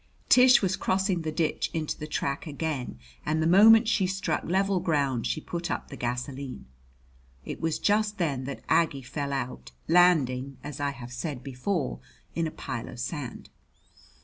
Tish was crossing the ditch into the track again, and the moment she struck level ground she put up the gasoline. It was just then that Aggie fell out, landing, as I have said before, in a pile of sand.